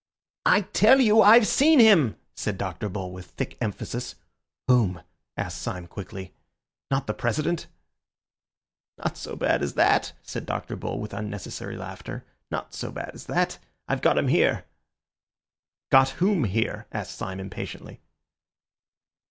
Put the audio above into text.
"I tell you I've seen him!" said Dr. Bull, with thick emphasis. "Whom?" asked Syme quickly. "Not the President?" "Not so bad as that," said Dr. Bull, with unnecessary laughter, "not so bad as that. I've got him here." "Got whom here?" asked Syme impatiently.